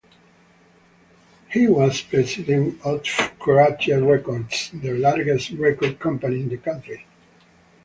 He was president of Croatia Records, the largest record company in the country.